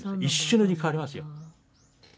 一瞬のうちに変わりますよ。